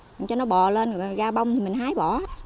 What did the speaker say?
để cho nó bò lên rồi ra bông thì mình hái bỏ